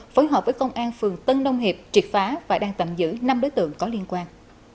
phối hợp với công an phường tân nông hiệp triệt phá và đang tạm giữ năm đối tượng có liên quan